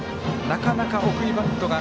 なかなか送りバントが。